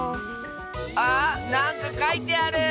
あなんかかいてある！